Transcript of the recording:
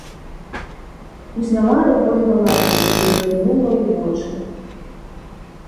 Узняла рукой галаву, зазірнула ў вочы.